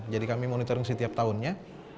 jadi kami monitoring setiap tahunnya